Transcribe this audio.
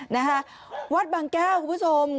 นะคะวัดบางแก้วคุณผู้ชม